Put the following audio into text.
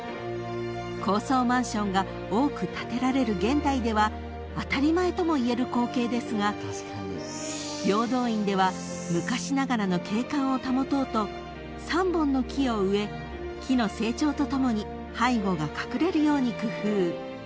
［高層マンションが多く建てられる現代では当たり前ともいえる光景ですが平等院では昔ながらの景観を保とうと３本の木を植え木の成長とともに背後が隠れるように工夫］